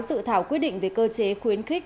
sự thảo quyết định về cơ chế khuyến khích